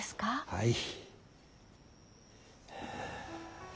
はい。